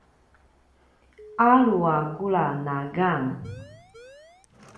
alu a kula na gang